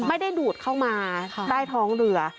ไม่ได้ดูดเข้ามาใต้ท้องเรือ